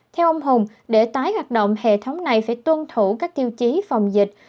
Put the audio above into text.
theo ông hùng để tái hoạt động hệ thống này phải tuân thủ các tiêu chí phòng dịch